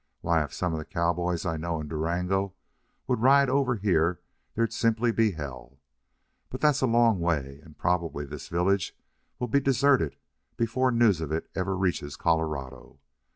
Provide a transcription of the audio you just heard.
Why, if some of the cowboys I knew in Durango would ride over here there'd simply be hell. But that's a long way, and probably this village will be deserted before news of it ever reaches Colorado.